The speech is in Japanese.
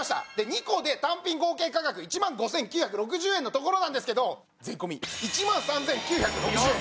２個で単品合計価格１万５９６０円のところなんですけど税込１万３９６０円！